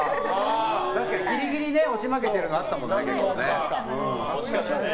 確かに、ギリギリ押し負けてるのあったもんね。